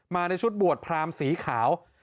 ในชุดบวชพรามสีขาว